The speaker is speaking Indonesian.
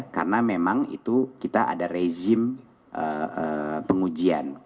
karena memang itu kita ada rezim pengujian